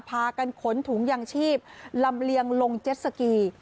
พากันขนถุงยางชีพลำเลียงลงเจ็ดสกี